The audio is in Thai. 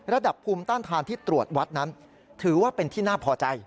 ระดับภูมิต้านทานที่ตรวจวัดนั้นถือว่าเป็นที่น่าพอใจ